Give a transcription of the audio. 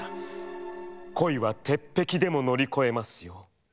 恋は鉄壁でも乗り越えますよ」。